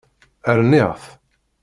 Rniɣ-t.